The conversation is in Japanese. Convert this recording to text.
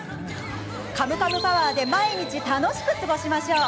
カムカムパワーで毎日楽しく過ごしましょう。